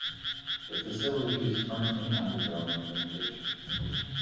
The facility is currently undergoing renovations.